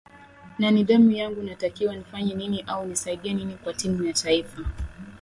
na nidhamu yangu natakiwa nifanye nini au nisaidie nini kwa timu ya taifa